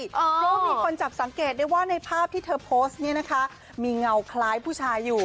เพราะว่ามีคนจับสังเกตได้ว่าในภาพที่เธอโพสต์นี้นะคะมีเงาคล้ายผู้ชายอยู่